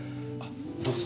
どうぞ。